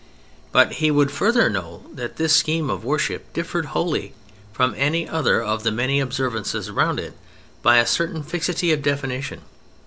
But he would further know that this scheme of worship differed wholly from any other of the many observances round it by a certain fixity of definition.